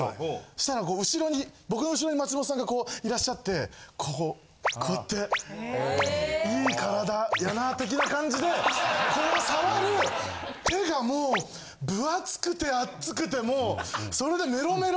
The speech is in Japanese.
そしたら後ろに僕の後ろに松本さんがいらっしゃってこここうやっていい体やな的な感じでこう触る手がもう分厚くて熱くてもうそれで。